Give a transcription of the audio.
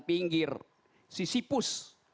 pinggir si sipus